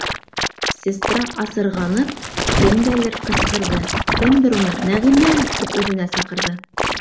- Сестра асырғанып кемгәлер ҡысҡырҙы, кемдер уны «Нәғимә!» тип үҙенә саҡырҙы.